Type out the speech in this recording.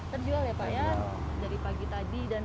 ternyata sepuluh tisu sudah terjual ya pak ya dari pagi tadi